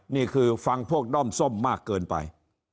นี่คือฟังพวกด้อมส้มมากเกินไป